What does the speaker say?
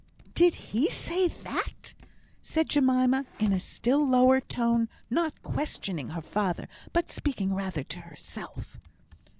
'" "Did he say that?" said Jemima, in a still lower tone, not questioning her father, but speaking rather to herself.